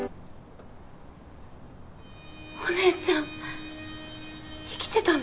お姉ちゃん生きてたの？